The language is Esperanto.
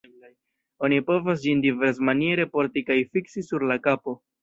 Oni povas ĝin diversmaniere porti kaj fiksi sur la kapo.